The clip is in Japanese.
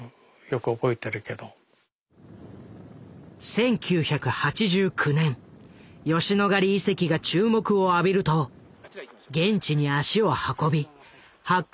１９８９年吉野ヶ里遺跡が注目を浴びると現地に足を運び発掘